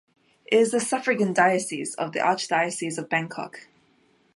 It is a suffragan diocese of the Archdiocese of Bangkok.